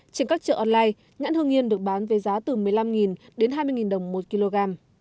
trên các chợ online nhãn hương yên được bán với giá từ một mươi năm đến hai mươi đồng một kg